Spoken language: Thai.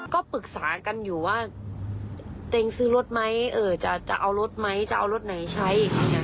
ก็ปรึกษากันอยู่ว่าตัวเองซื้อรถไหมจะเอารถไหมจะเอารถไหนใช้